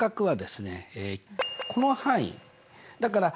はい。